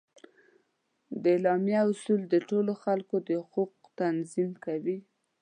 د اعلامیه اصول د ټولو خلکو د حقوقو تضمین کوي.